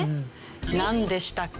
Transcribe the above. なんでしたっけ？